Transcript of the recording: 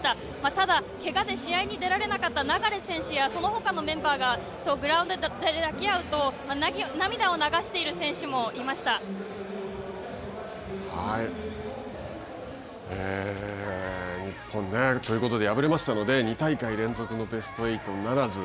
ただ、けがで試合に出られなかった流選手や、そのほかのメンバーがグラウンドで抱き合うと、涙を流日本、敗れましたので、２大会連続のベスト８ならず。